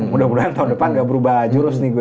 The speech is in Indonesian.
mudah mudahan tahun depan gak berubah jurus nih gue